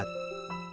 orang air hujan